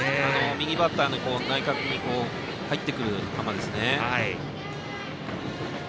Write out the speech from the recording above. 右バッターの内角に入ってくる球。